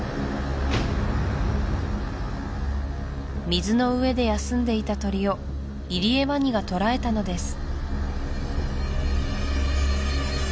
水の上で休んでいた鳥をイリエワニが捕らえたのです